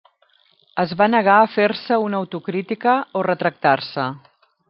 Es va negar a fer-se una autocrítica o retractar-se.